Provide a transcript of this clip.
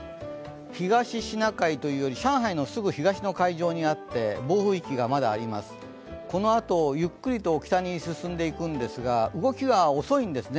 東シナ海というより上海のすぐ東の海上にあって、暴風域がまだこのあと、ゆっくりと北に進んでいくんですが動きは遅いんですね。